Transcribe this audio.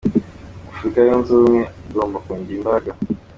Ati”Afurika Yunze Ubumwe igomba kongera imbaraga”.